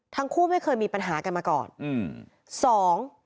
ทั้งคู่ไม่เคยมีปัญหากันมาก่อนอืมสอง